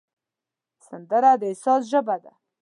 سندره د احساس ژبه ده